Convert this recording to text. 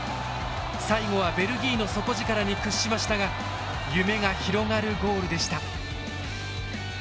最後はベルギーの底力に屈しましたが夢が広がるゴールでした。